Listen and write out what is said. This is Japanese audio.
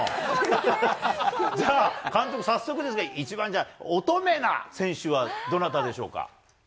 じゃあ、監督、早速ですが、一番じゃあ、乙女な選手はどなたでしょうか。